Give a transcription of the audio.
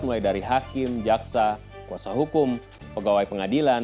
mulai dari hakim jaksa kuasa hukum pegawai pengadilan